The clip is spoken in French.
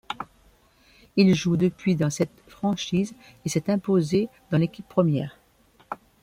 Il joue depuis dans cette franchise et s'est imposé dans l'équipe première.